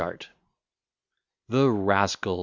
_" The rascal!